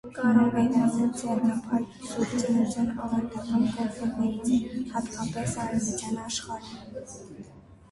Կարամելային ձեռնափայտն սուրբ ծննդյան ավանդական կոնֆետներից է՝ հատկապես արևմտյան աշխարհում։